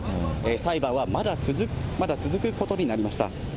裁判はまだ続くことになりました。